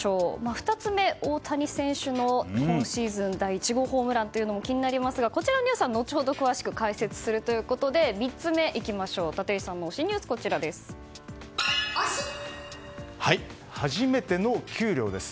２つ目の大谷選手の今シーズン第１号ホームランも気になりますがこちらのニュースは後ほど詳しく解説するということで３つ目の初めての給料です。